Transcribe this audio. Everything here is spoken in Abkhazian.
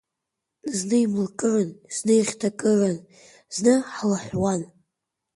Зны имлакыран, зны ихьҭакыран, зны ҳлаҳәуан.